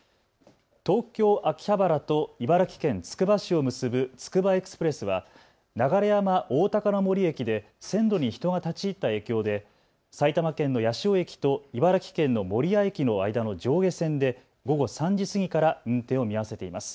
東京秋葉原と茨城県つくば市を結ぶつくばエクスプレスは流山おおたかの森駅で線路に人が立ち入った影響で埼玉県の八潮駅と茨城県の守谷駅の間の上下線で午後３時過ぎから運転を見合わせています。